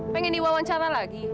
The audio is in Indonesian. pengen diwawancara lagi